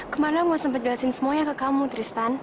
kemarin aku gak sempet jelasin semuanya ke kamu tristan